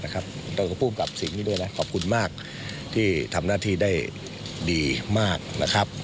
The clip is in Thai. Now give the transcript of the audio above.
แล้วก็ภูมิกับสิ่งนี้ด้วยนะขอบคุณมากที่ทำหน้าที่ได้ดีมากนะครับ